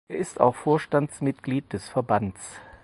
Er ist auch Vorstandsmitglied des Verbands.